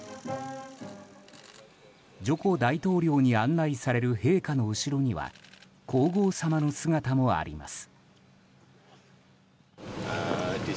ジョコ大統領に案内される陛下の後ろには皇后さまの姿もあります。